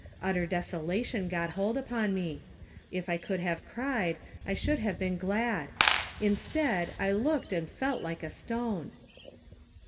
Utter des olation got hold upon me. If I could have cried, I should have been glad ; instead, I looked and felt like a stone.